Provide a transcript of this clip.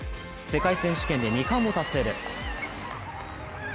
世界選手権で２冠を達成です。